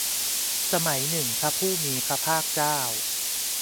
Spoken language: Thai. สมัยหนึ่งพระผู้มีพระภาคเจ้า